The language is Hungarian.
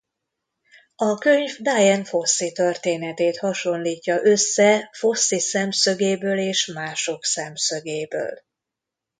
A könyv Dian Fossey történetét hasonlítja össze Fossey szemszögéből és mások szemszögéből.